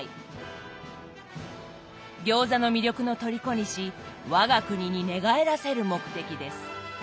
餃子の魅力の虜にし我が国に寝返らせる目的です。